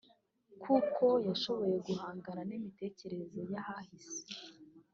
kuko yashoboye guhangana n’imitekerereze y’ahahise